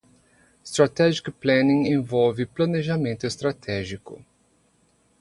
Strategic Planning envolve planejamento estratégico.